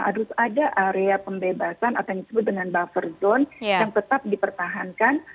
harus ada area pembebasan atau yang disebut dengan buffer zone yang tetap dipertahankan